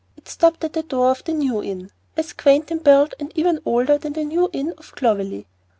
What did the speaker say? It stopped at the door of the New Inn, as quaint in build and even older than the New Inn of Clovelly.